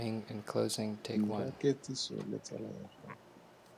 Dira ketsiso le tsala ya gago.